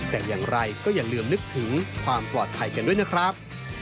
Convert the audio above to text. แต่อย่างไรก็อย่าลืมนึกถึงความปลอดภัยกันด้วยนะครับ